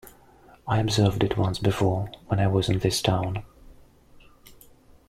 I observed it once before, when I was in this town.